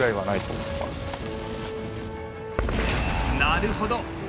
なるほど！